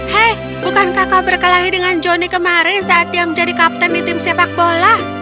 hei bukankah kau berkelahi dengan johnny kemarin saat dia menjadi kapten di tim sepak bola